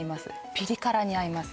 ピリ辛に合います